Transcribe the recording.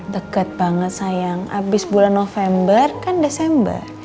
deket banget sayang abis bulan november kan desember